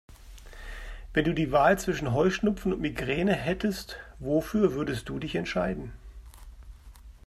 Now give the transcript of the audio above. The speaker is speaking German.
Wenn du die Wahl zwischen Heuschnupfen und Migräne hättest, wofür würdest du dich entscheiden?